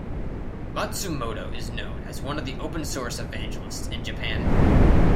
Matsumoto is known as one of the open source evangelists in Japan.